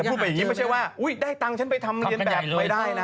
พูดไปอย่างนี้ไม่ใช่ว่าได้ตังค์ฉันไปทำเรียนแบบไม่ได้นะ